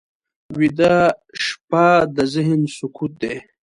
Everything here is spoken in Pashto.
ویده شپه د ذهن سکوت دی